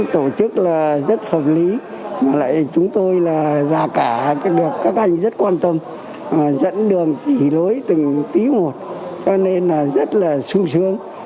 tổ chức rất hợp lý chúng tôi là gia cả được các anh rất quan tâm dẫn đường chỉ lối từng tí một cho nên rất là sung sướng